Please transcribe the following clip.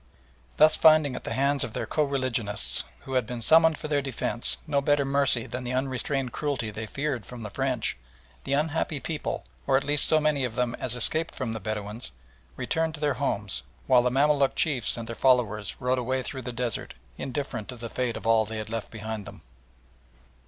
Thus finding at the hands of their co religionists, who had been summoned for their defence, no better mercy than the unrestrained cruelty they feared from the French, the unhappy people, or at least so many of them as escaped from the Bedouins, returned to their homes, while the Mamaluk Chiefs and their followers rode away through the desert indifferent to the fate of all they had left behind them.